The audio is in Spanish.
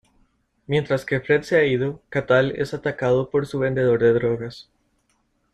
Mientras que Fred se ha ido, Cathal es atacado por su vendedor de drogas.